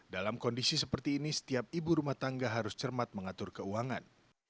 dalam kondisi seperti ini setiap ibu rumah tangga harus cermat mengatur keuangan